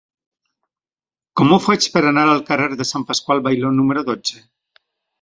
Com ho faig per anar al carrer de Sant Pasqual Bailón número dotze?